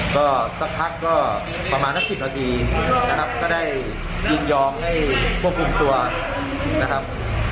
ก็คับคักก็ประมาณ๑๐นาทีน่ะครับก็ได้ยินยองให้ช่วงกลุ่มตัวนะครับ